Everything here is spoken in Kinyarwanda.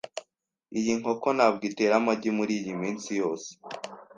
Iyi nkoko ntabwo itera amagi muriyi minsi yose.